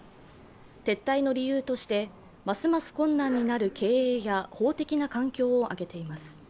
撤退の理由としてますます困難になる経営や法的な環境を挙げています。